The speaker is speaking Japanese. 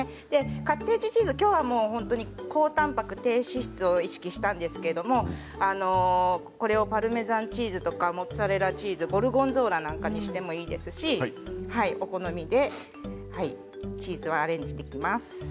カッテージチーズ今日は高たんぱく、低脂質を意識したんですけれどもこれをパルメザンチーズとかモッツァレラチーズゴルゴンゾーラにしてもいいですしお好みでチーズはアレンジできます。